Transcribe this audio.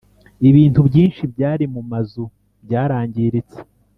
ibintu byinshi byari mu mazu byarangiritse